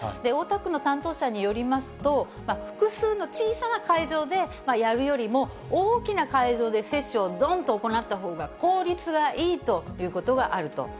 大田区の担当者によりますと、複数の小さな会場でやるよりも、大きな会場で接種をどんと行った方が効率がいいということがあると。